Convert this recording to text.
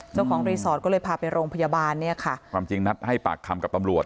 เจ้าของรีสอร์ทก็เลยพาไปโรงพยาบาลเนี่ยค่ะความจริงนัดให้ปากคำกับตำรวจ